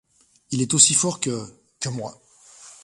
Il est aussi fort que… que moi !